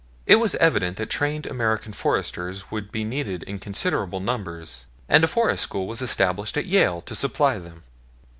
It was evident that trained American Foresters would be needed in considerable numbers, and a forest school was established at Yale to supply them.